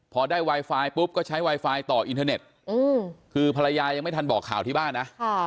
พอได้ไวไฟปุ๊บก็ใช้ไวไฟต่ออินเทอร์เน็ตคือภรรยายังไม่ทันบอกข่าวที่บ้านนะ